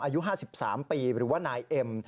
อายุ๕๓ปีหรือว่านายเอ็ม